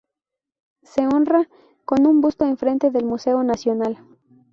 Se honra con un busto enfrente del Museo Nacional.